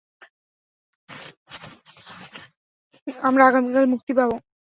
আমরা আগামীকাল মুক্তি পাবো।